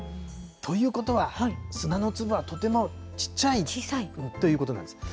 ということは、砂の粒はとてもちっちゃいということなんです。